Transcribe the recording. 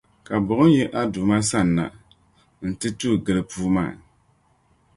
Ka Buɣim yi a Duuma sani na n-ti tuui gili li puu maa.